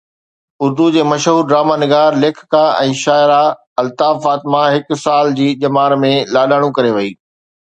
اردو جي مشهور ڊراما نگار، ليکڪا ۽ شاعره الطاف فاطمه هڪ سال جي ڄمار ۾ لاڏاڻو ڪري وئي